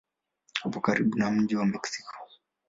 Upo karibu na mji wa Meksiko.